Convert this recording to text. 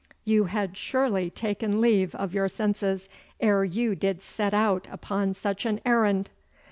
You had surely taken leave of your senses ere you did set out upon such an errand!